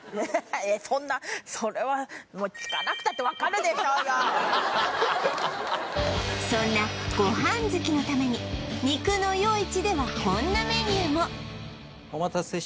ええっそんなそれはそんなご飯好きのために肉のよいちではこんなメニューも！